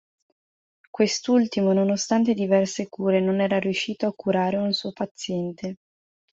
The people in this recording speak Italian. Quest'ultimo, nonostante diverse cure, non era riuscito a curare un suo paziente.